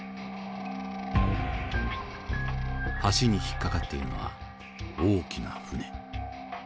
橋に引っ掛かっているのは大きな船。